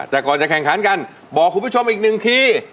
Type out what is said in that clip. แต่ก่อนจะแข่งขันกันบอกคุณผู้ชมอีกหนึ่งที